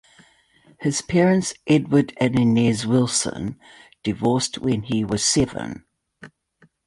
His parents, Edward and Inez Wilson, divorced when he was seven.